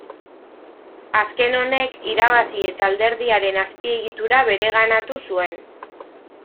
Azken honek irabazi eta alderdiaren azpiegitura bereganatu zuen.